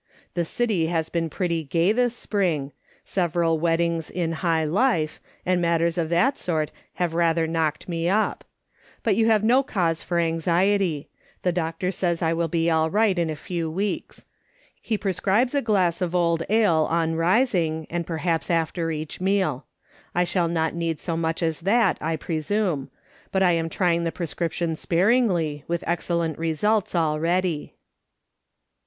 The city lias been pretty gay this 302 MRS. SOLOMON SMITH LOOKING ON. spring ; several weddings in high life, and matters of that sort have rather knocked me up ; but you have no cause for anxiety ; the doctor says I will be all right in a few weeks. He prescribes a glass of old ale on rising, and perhaps after each meal. I shall not need so much as that, I presume, but I am trying the prescription sparingly, with excellent results already."